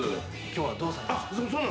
今日はどうされました？